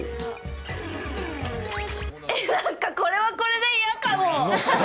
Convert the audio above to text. なんか、これはこれで嫌かも。